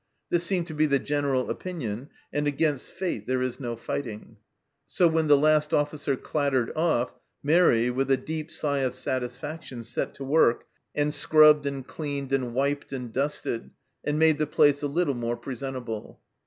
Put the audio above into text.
This seemed to be the general opinion, and against fate there is no fighting. So when the last officer clattered off, Mairi, with a deep sigh of satisfaction, set to work and scrubbed and cleaned and wiped and dusted, and made the place a little more presentable.